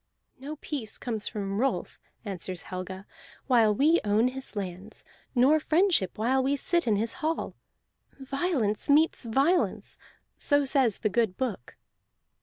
"No peace comes from Rolf," answers Helga, "while we own his lands, nor friendship while we sit in his hall. Violence meets violence, so says the good book."